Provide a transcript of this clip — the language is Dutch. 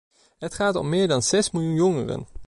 Het gaat om meer dan zes miljoen jongeren.